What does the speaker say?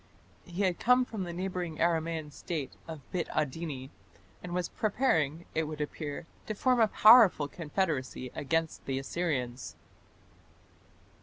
He had come from the neighbouring Aramaean State of Bit Adini, and was preparing, it would appear, to form a powerful confederacy against the Assyrians.